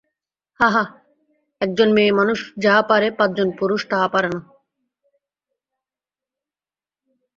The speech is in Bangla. হাঁ হাঁ, একজন মেয়েমানুষ যাহা পারে পাঁচজন পুরুষে তাহা পারে না।